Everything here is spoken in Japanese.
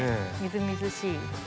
みずみずしい。